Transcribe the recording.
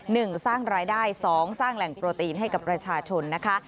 หนึ่งสร้างรายได้สองสร้างแหล่งโปรตีนให้กับประชาชนนะคะ